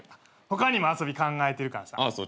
他にも遊び考えてるからさ